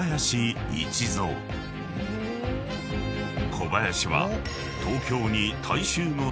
［小林は］